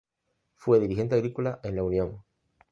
Fue dirigente agrícola en La Unión.